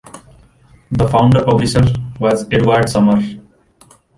The founder-publisher was Edward Summer.